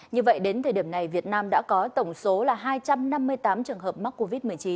như vậy đến thời điểm này việt nam đã có tổng số là hai trăm năm mươi tám trường hợp mắc covid một mươi chín